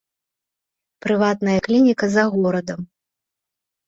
Прыватная клініка за горадам.